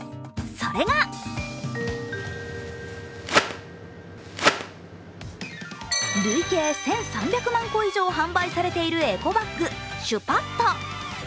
それが累計１３００万個以上販売されているエコバッグ、Ｓｈｕｐａｔｔｏ。